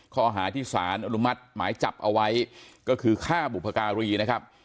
ข้อหาที่สารอนุมัติหมายจับเอาไว้ก็คือฆ่าบุพการีนะครับ